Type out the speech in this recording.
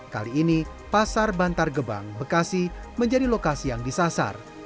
kali ini pasar bantar gebang bekasi menjadi lokasi yang disasar